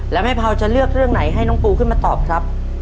แล้วแม่เผาจะเลือกเรื่องไหนให้น้องปูขึ้นมาตอบครับ